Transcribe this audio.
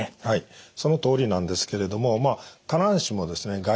はいそのとおりなんですけれどもまあ必ずしもですね